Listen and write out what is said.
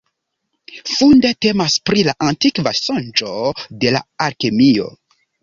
Funde temas pri la antikva sonĝo de la alkemio.